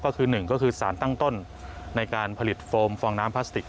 ก็คือหนึ่งก็คือสารตั้งต้นในการผลิตโฟมฟองน้ำพลาสติก